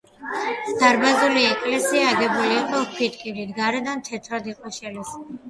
დარბაზული ეკლესია აგებული იყო ქვითკირით, გარედან თეთრად იყო შელესილი.